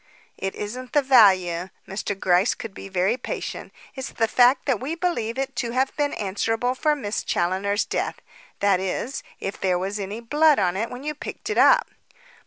"It isn't the value." Mr. Gryce could be very patient. "It's the fact that we believe it to have been answerable for Miss Challoner's death that is, if there was any blood on it when you picked it up."